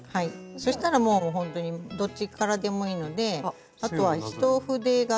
そしたらもうほんとにどっちからでもいいのであとは一筆書きするように。